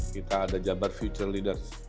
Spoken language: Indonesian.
kita ada jabar future leaders